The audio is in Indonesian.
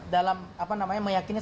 dalam apa namanya meyakinya